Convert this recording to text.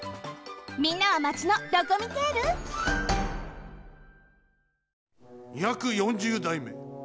みんなはマチのドコミテール？２４０だいめ。